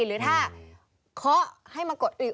หรือถ้าเขาให้มันกดอีก